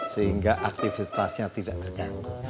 sehingga aktivitasnya tidak terganggu